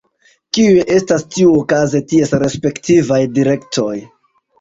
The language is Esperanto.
Kiuj estas tiuokaze ties respektivaj direktoj?